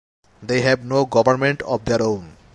They have no government of their own.